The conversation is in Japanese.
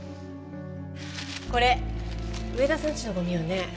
これ植田さんちのゴミよね。